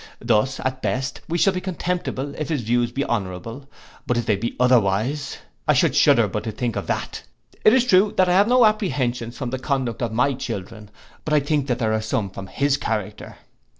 Thus, at best, we shall be contemptible if his views be honourable; but if they be otherwise! I should shudder but to think of that! It is true I have no apprehensions from the conduct of my children, but I think there are some from his character.